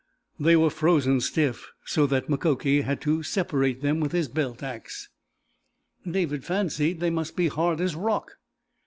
They were frozen stiff, so that Mukoki had to separate them with his belt axe; David fancied they must be hard as rock.